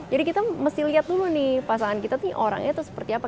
jadi kita mesti lihat dulu nih pasangan kita tuh orangnya tuh seperti apa